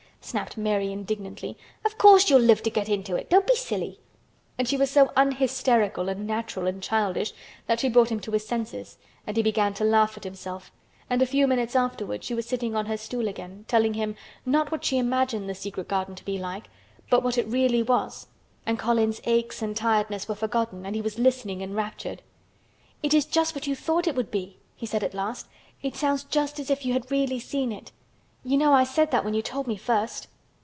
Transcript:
snapped Mary indignantly. "Of course you'll live to get into it! Don't be silly!" And she was so un hysterical and natural and childish that she brought him to his senses and he began to laugh at himself and a few minutes afterward she was sitting on her stool again telling him not what she imagined the secret garden to be like but what it really was, and Colin's aches and tiredness were forgotten and he was listening enraptured. "It is just what you thought it would be," he said at last. "It sounds just as if you had really seen it. You know I said that when you told me first."